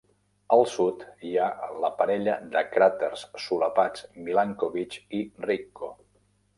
Al sud hi ha la parella de cràters solapats Milankovic i Ricco.